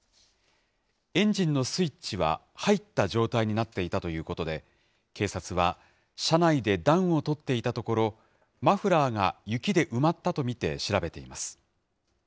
エンジンのスイッチは入った状態になっていたということで、警察は、車内で暖をとっていたところ、マフラーが雪で埋まったと見て、調べています。